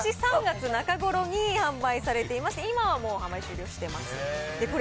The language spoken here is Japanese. ことし３月中ごろに販売されていまして、今はもう販売終了しています。